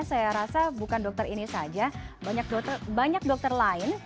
saya rasa bukan dokter ini saja banyak dokter lain